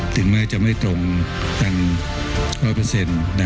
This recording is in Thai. ถึงไม่จะไม่ตรงตั้งอร่อยเปอร์เซ็นต์